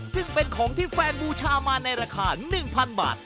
ซึ่งเป็นของที่แฟนบูชามาในราคา๑๐๐๐บาท